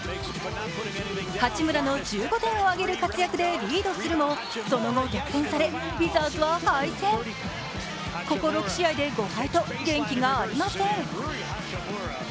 八村の１５点を挙げる活躍でリードするもその後、逆転されウィザーズは敗戦ここ６試合で５敗と元気がありません。